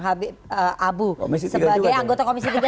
habib abu sebagai anggota komisi tiga